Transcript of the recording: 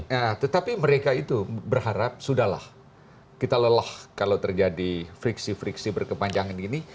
nah tetapi mereka itu berharap sudah lah kita lelah kalau terjadi friksi friksi berkepanjangan ini